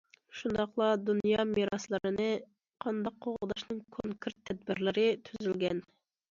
شۇنداقلا دۇنيا مىراسلىرىنى قانداق قوغداشنىڭ كونكرېت تەدبىرلىرى تۈزۈلگەن.